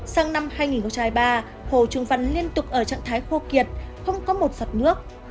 sang năm hai nghìn ba hồ trung văn liên tục ở trạng thái khô kiệt không có một sọt nước